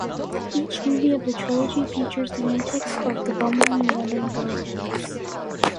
Each movie of the trilogy features the antics of the bumbling Lemon Grove Kids.